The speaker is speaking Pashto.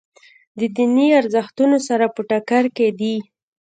د دیني ارزښتونو سره په ټکر کې دي.